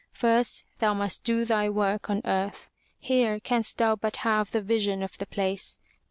First thou must do thy work on earth. Here canst thou but have the vision of the place.